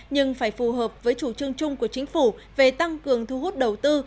nhưng phải phù hợp với chủ trương chung của chính phủ về tăng cường thu hút đầu tư